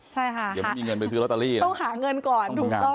ใช่ค่ะต้องหาเงินก่อน